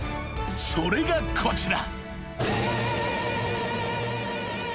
それがこちら］